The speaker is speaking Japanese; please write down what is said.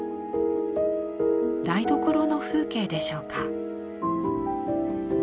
台所の風景でしょうか。